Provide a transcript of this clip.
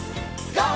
ＧＯ！